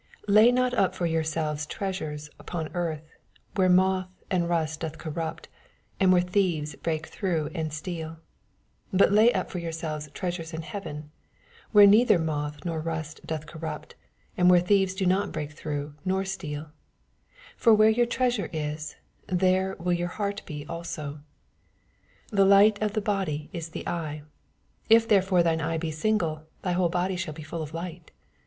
19 Jjay not up for youTselyes trea sures upon earth, wnere moth and rnst dotn corrupt, and where thieves break through and steal : 20 But lay up for yourselves trea sures in heaven, where neither moth nor rust doth orrupt, and when thieves do not break through nor steal: 21 For where yotir treasure is, there will your heart be also. 22 The light of the body is the eve : if therefore thine eye l>e single, tny whole body shall be full of light.